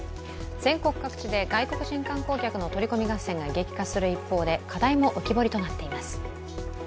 全国各地で外国人観光客の取り込み合戦が激化する一方で課題も浮き彫りとなっています。